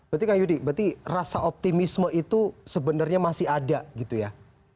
berarti kak yudi berarti rasa optimisme itu sebenarnya masih ada gitu ya